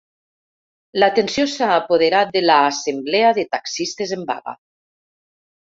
La tensió s’ha apoderat de l’assemblea de taxistes en vaga.